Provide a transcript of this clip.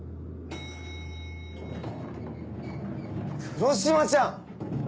黒島ちゃん！